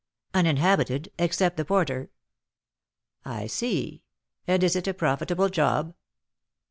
"Uninhabited, except the porter." "I see. And is it a profitable job?"